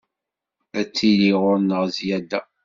Ad tili ɣur-neɣ zzyada.